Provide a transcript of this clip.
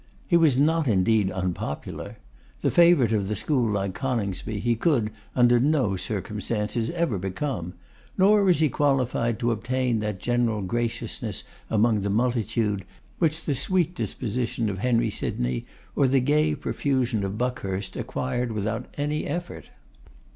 He was not indeed unpopular. The favourite of the school like Coningsby, he could, under no circumstances, ever have become; nor was he qualified to obtain that general graciousness among the multitude, which the sweet disposition of Henry Sydney, or the gay profusion of Buckhurst, acquired without any effort.